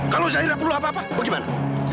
kalau zahira perlu apa apa bagaimana